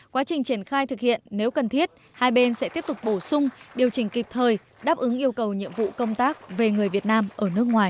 quá trình triển khai thực hiện nếu cần thiết hai bên sẽ tiếp tục bổ sung điều chỉnh kịp thời đáp ứng yêu cầu nhiệm vụ công tác về người việt nam ở nước ngoài